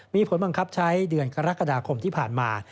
มีผลบังคับใช้เดือนกรกฎาคมที่ผ่านมา